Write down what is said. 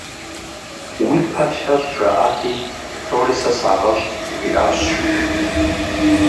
«Уи пэр лъэщӏ» жаӏати, «Псори сэ сагъэщӏ» жиӏащ, жи.